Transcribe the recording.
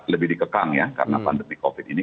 lebih dikekang ya karena pandemi covid ini